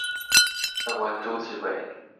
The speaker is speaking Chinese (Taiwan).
本文主旨為